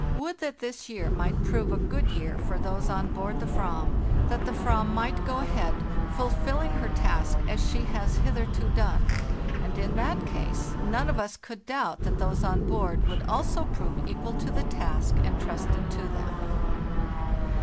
Would that this year might prove a good year for those on board the "vam; that the /vam might go ahead, fulfilling her task as she has hitherto done; and in that case none of us could doubt that those on board would also prove equal to the task intrusted to them.